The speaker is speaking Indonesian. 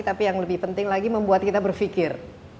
tapi yang lebih penting lagi membuat kita berpikir